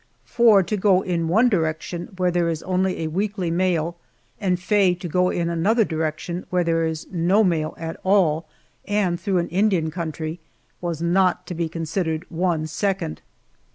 For, to go in one direction where there is only a weekly mail, and Faye to go in another direction where there is no mail at all, and through an Indian country, was not to be considered one second.